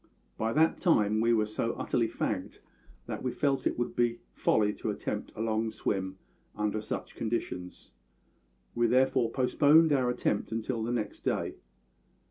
By that time we were so utterly fagged that we felt it would be folly to attempt a long swim under such conditions; we therefore postponed our attempt until the next day.